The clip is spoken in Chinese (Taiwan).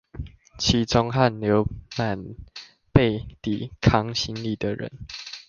其中汗流滿背地扛行李的人